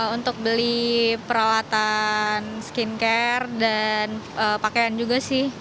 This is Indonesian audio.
untuk beli peralatan skincare dan pakaian juga sih